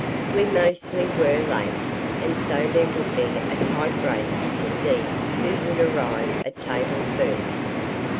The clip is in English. We mostly were late, and so there would be a tight race to see who would arrive at table first.